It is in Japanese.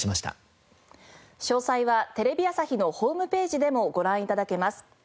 詳細はテレビ朝日のホームページでもご覧頂けます。